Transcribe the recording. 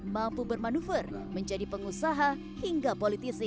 mampu bermanuver menjadi pengusaha hingga politisi